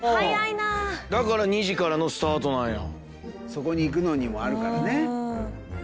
そこに行くのにもあるからね。